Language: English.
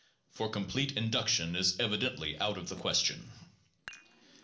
For complete induction is evidently out of the question.